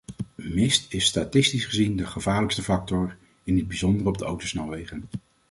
Mist is statistisch gezien de gevaarlijkste factor, in het bijzonder op de autosnelwegen.